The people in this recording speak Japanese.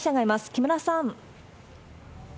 木村さん。